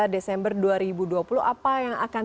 desember dua ribu dua puluh apa yang akan